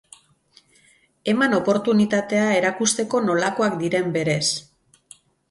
Eman oportunitatea erakusteko nolakoak diren berez.